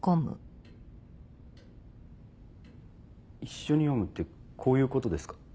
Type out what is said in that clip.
一緒に読むってこういうことですか？